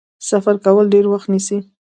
سفر کول ډیر وخت نیسي.